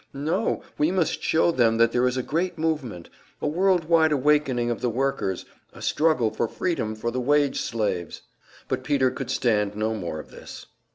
No, we must show them that there is a great movement, a world wide awakening of the workers, a struggle for freedom for the wage slaves " But Peter could stand no more of this.